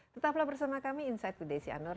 tetaplah bersama kami insight with desi anwar